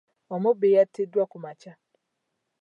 Omubbi yattiddwa ku makya.